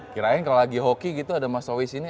kirain kalo lagi hoki gitu ada mas owi sini